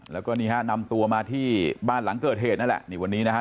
แล้วก็นี่ฮะนำตัวมาที่บ้านหลังเกิดเหตุนั่นแหละนี่วันนี้นะฮะ